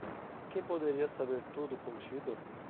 Quem poderia saber tudo contido?